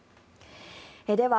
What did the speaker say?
では